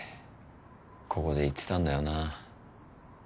ここで言ってたんだよな。